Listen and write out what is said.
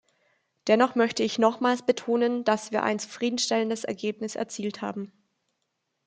Dennoch möchte ich nochmals betonen, dass wir ein zufriedenstellendes Ergebnis erzielt haben.